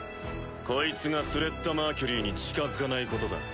こいつがスレッタ・マーキュリーに近づかないことだ。